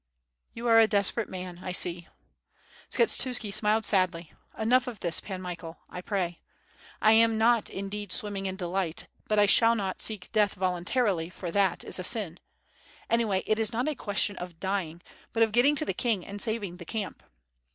"You are a desperate man, I see." Skshetuski smiled sadly, "enough of this. Pan Michael, I pray. I am not indeed swimming in delight, but I shall not seek death voluntarily, for that is a sin. Anyway it is not a question of dying, but of getting to the king and saving the camp."